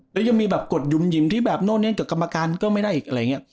แล้วยังมีแบบกดหยุ่มหิมที่แบบโน่นนี้กับกรรมการก็ไม่ได้อีกอะไรอย่างนี้